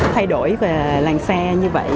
thay đổi về làng xe như vậy